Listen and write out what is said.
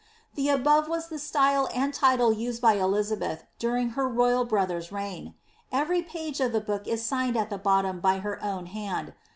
The above was the style and title used by Elizabeth during her royal brother's reign. Every page of the book is signed at the bottom by her own hand.